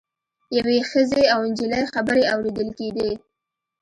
یوې ښځې او نجلۍ خبرې اوریدل کیدې.